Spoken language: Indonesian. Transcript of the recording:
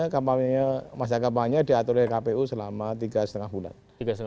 kampanye diatur oleh kpu selama tiga lima bulan